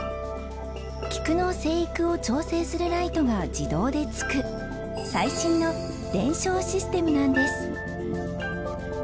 キクの生育を調整するライトが自動でつく最新の電照システムなんです。